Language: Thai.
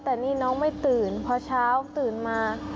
แต่นี่น้องไม่ตื่นพอเช้าตื่นมา